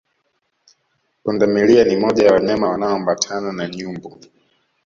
Pundamilia ni moja wa wanyama wanaoambatana na nyumbu